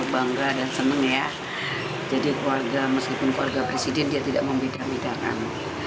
bangga dan senang ya jadi keluarga meskipun keluarga presiden dia tidak membeda bedakan